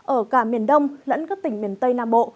ở cả miền đông lẫn các tỉnh miền tây nam bộ